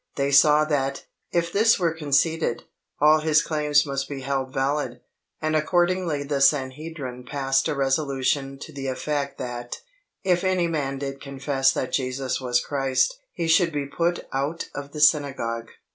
They saw that, if this were conceded, all His claims must be held valid, and accordingly the Sanhedrim passed a resolution to the effect that, "if any man did confess that Jesus was Christ, he should be put out of the synagogue."